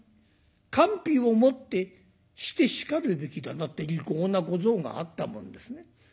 官費をもってしてしかるべきだな」って利口な小僧があったもんですね。